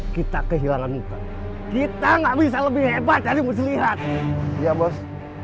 kita nggak bisa lebih hebat dari muslihat iya bos